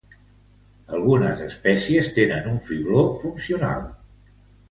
Algunes espècies tenen un fibló funcional.